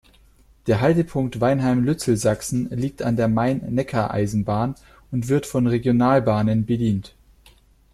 Der Haltepunkt "Weinheim-Lützelsachsen" liegt an der Main-Neckar-Eisenbahn und wird von Regionalbahnen bedient.